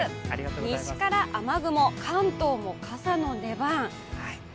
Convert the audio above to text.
西から雨雲、関東も傘の出番。